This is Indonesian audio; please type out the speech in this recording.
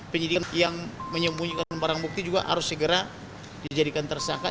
penyidik yang menyembunyikan barang bukti juga harus segera dijadikan tersangka